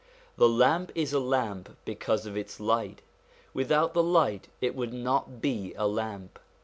This lamp is a lamp because of its light : without the light it would not be a lamp.